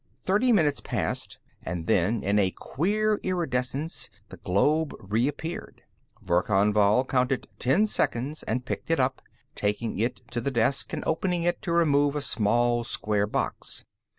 Thirty minutes passed, and then, in a queer iridescence, the globe reappeared. Verkan Vall counted ten seconds and picked it up, taking it to the desk and opening it to remove a small square box.